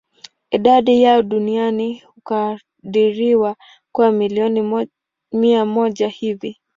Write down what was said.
Idadi yao duniani hukadiriwa kuwa milioni mia moja hivi.